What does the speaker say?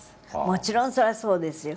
もちろんそりゃそうですよ。